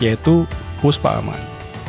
yaitu puspa aman